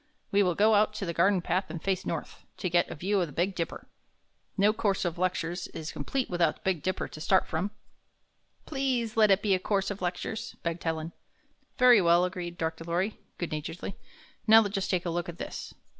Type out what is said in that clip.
We will go out to the garden path and face north, to get a view of the Big Dipper. No course of lec tures is complete without the Big Dipper to start from." ''Please let it be a course of lectures," begged Helen. "Very well," agreed Dr. Lorry, good naturedly. "Now just take a look at this."